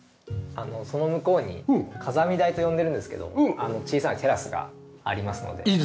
あのその向こうに風見台と呼んでるんですけども小さいテラスがありますので。